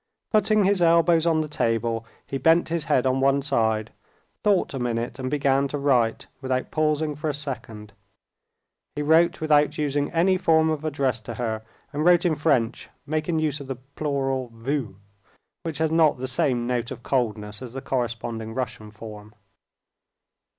Putting his elbows on the table, he bent his head on one side, thought a minute, and began to write, without pausing for a second. He wrote without using any form of address to her, and wrote in French, making use of the plural "vous," which has not the same note of coldness as the corresponding Russian form.